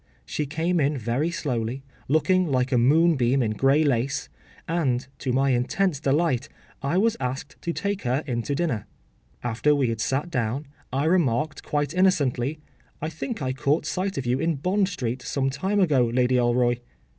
She came in very slowly, looking like a moonbeam in grey lace, and, to my intense delight, I was asked to take her in to dinner. After we had sat down, I remarked quite innocently, “I think I caught sight of you in Bond Street some time ago, Lady Alroy.